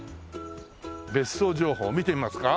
別荘情報見てみますか？